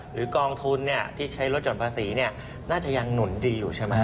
กองทุนที่ใช้รถหย่อนภาษีน่าจะยังหนุนดีอยู่ใช่ไหม